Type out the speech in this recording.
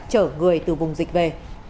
chở người từ vùng dịch về